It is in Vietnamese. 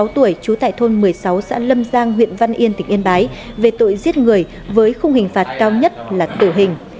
sáu mươi tuổi trú tại thôn một mươi sáu xã lâm giang huyện văn yên tỉnh yên bái về tội giết người với khung hình phạt cao nhất là tử hình